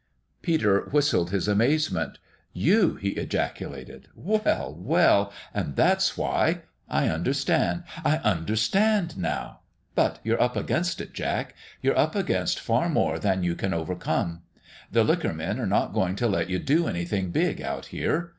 Peter whistled his amazement. " You !" he ejaculated. " Well, well ! And that's why ! I understand. I understand now. But you're up against it, Jack. You're up against far more than you can overcome. The liquor men are not going to let you do anything big out here.